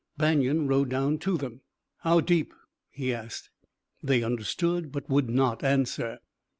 Banion rode down to them. "How deep?" he asked. They understood but would not answer.